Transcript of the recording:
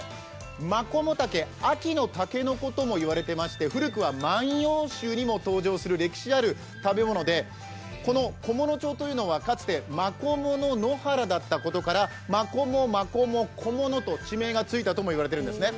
マコモタケ、秋のたけのこともいわれていまして古くは「万葉集」にも登場する歴史ある食べ物で、この菰野町というのは、かつてまこもの野原だったことからまこも、まこも、こものと地名がついたともいわれているんですね。